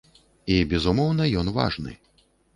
І, безумоўна, ён важны.